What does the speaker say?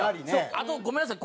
あとごめんなさい。